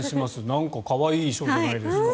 なんか可愛い衣装じゃないですか。